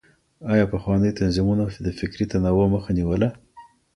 آيا پخوانيو تنظيمونو د فکري تنوع مخه نيوله؟